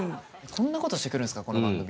こんなことしてくるんすかこの番組。